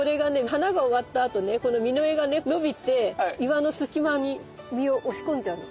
花が終わったあとねこの実が伸びて岩のすき間に実を押し込んじゃうの。